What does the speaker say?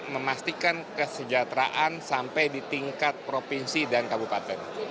memastikan kesejahteraan sampai di tingkat provinsi dan kabupaten